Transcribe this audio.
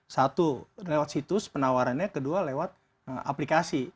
satu lewat situs penawarannya kedua lewat aplikasi